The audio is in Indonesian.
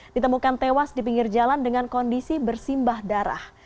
ditemukan tewas di pinggir jalan dengan kondisi bersimbah darah